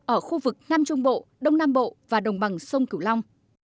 ở khu vực nam trung bộ đông nam bộ và đồng bằng sông cửu long